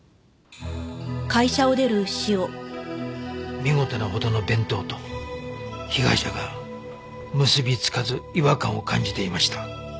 見事なほどの弁当と被害者が結びつかず違和感を感じていました